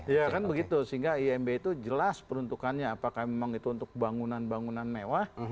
ya kan begitu sehingga imb itu jelas peruntukannya apakah memang itu untuk bangunan bangunan mewah